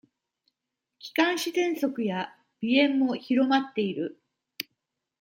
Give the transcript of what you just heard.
気管支ぜんそくや鼻炎も広まっている。